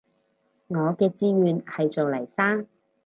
我嘅志願係做黎生